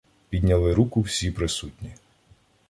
Підняли руку всі присутні.